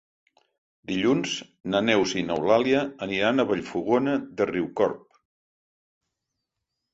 Dilluns na Neus i n'Eulàlia aniran a Vallfogona de Riucorb.